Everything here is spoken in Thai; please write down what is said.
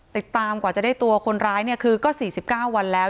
ติดตามกว่าจะได้ตัวคนร้ายเนี่ยคือก็๔๙วันแล้ว